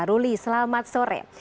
ruli selamat sore